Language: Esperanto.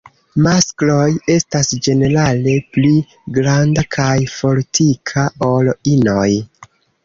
Maskloj estas ĝenerale pli granda kaj fortika ol inoj.